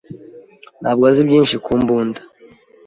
ntabwo azi byinshi ku mbunda.